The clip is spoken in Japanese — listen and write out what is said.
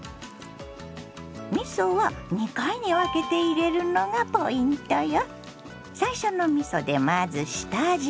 みそは２回に分けて入れるのがポイントよ。